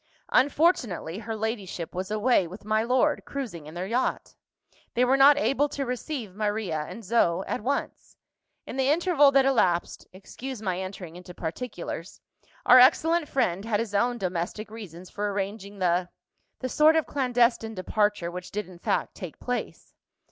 Unfortunately, her ladyship was away with my lord, cruising in their yacht. They were not able to receive Maria and Zoe at once. In the interval that elapsed excuse my entering into particulars our excellent friend had his own domestic reasons for arranging the the sort of clandestine departure which did in fact take place.